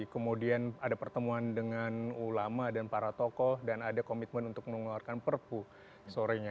kemudian ada pertemuan dengan ulama dan para tokoh dan ada komitmen untuk mengeluarkan perpu sorenya